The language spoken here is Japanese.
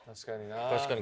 確かにな。